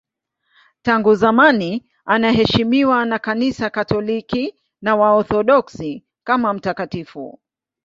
Tangu zamani anaheshimiwa na Kanisa Katoliki na Waorthodoksi kama mtakatifu.